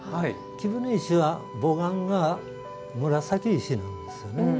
貴船石は母岩が紫石なんですよね。